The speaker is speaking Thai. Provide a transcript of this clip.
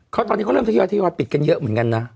เขาตอนนี้ก็เริ่มที่อย่างที่อย่างปิดกันเยอะเหมือนกันนะ